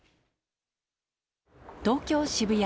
東京・渋谷。